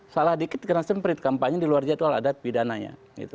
salah dikit karena semprit kampanye di luar jadwal adat pidananya